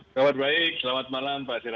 kabar baik selamat malam pak siral